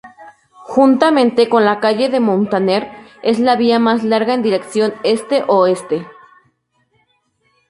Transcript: Juntamente con la calle de Muntaner, es la vía más larga en dirección este-oeste.